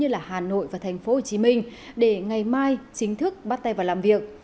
như hà nội và tp hcm để ngày mai chính thức bắt tay vào làm việc